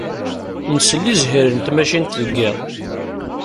Nsell i zzhir n tmacint deg yiḍ.